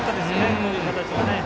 こういう形は。